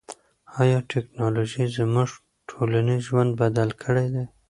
آیا ټیکنالوژي زموږ ټولنیز ژوند بدل کړی دی؟